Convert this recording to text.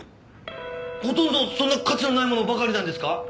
ほとんどそんな価値のないものばかりなんですか？